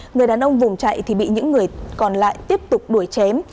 người đàn ông vùng chạy thì bị những người còn lại tiếp tục đuổi chém